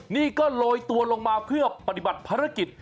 นี่ก็โรยตัวลงมาเพื่อปฏิบัติภารกิจ